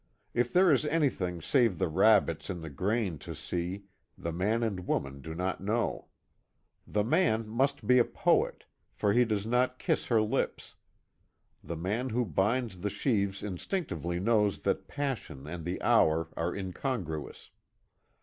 If there is anything save the rabbits in the grain to see, the man and woman do not know. The man must be a poet for he does not kiss her lips. The man who binds the sheaves instinctively knows that passion and the hour are incongruous.